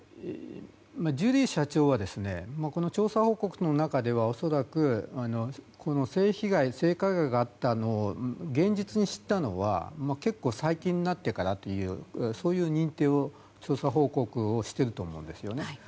ジュリー社長はこの調査報告の中では恐らく、性加害があったことを現実に知ったのは結構最近になってからというそういう認定を、調査報告をしているんだと思いますね。